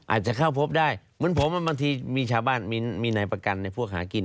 อาจจะเข้าพบได้เหมือนผมบางทีมีชาวบ้านมีนายประกันในพวกหากิน